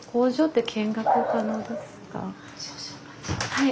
はい。